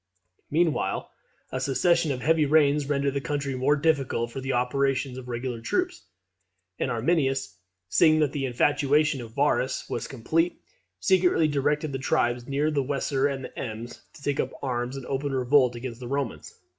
Meanwhile a succession of heavy rains rendered the country more difficult for the operations of regular troops; and Arminius, seeing that the infatuation of Varus was complete, secretly directed the tribes near the Weser and the Ems to take up arms in open revolt against the Romans.